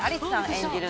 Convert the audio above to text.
演じる